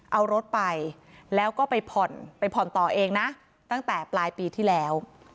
เอารถไปแล้วก็ไปผ่อนไปผ่อนต่อเองนะตั้งแต่ปลายปีที่แล้ว